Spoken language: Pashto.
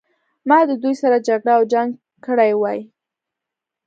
ما د دوی سره جګړه او جنګ کړی وای.